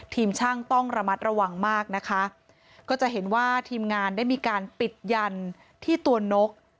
ทีมช่างต้องระมัดระวังมากนะคะก็จะเห็นว่าทีมงานได้มีการปิดยันที่ตัวนก